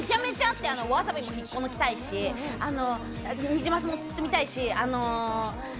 わさびも引っこ抜きたいし、ニジマスも釣ってみたいし。